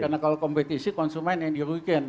karena kalau kompetisi konsumen yang dirugikan